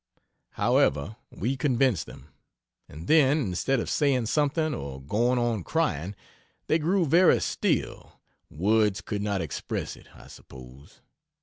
However, we convinced them; and then, instead of saying something, or going on crying, they grew very still words could not express it, I suppose.